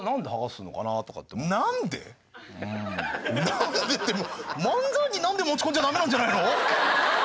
「なんで」って漫才に「なんで」を持ち込んじゃダメなんじゃないの？